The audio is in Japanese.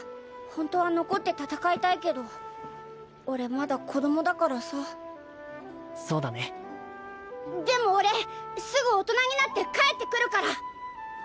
ホントは残って戦いたいけど俺まだ子供だからさそうだねでも俺すぐ大人になって帰ってくるから！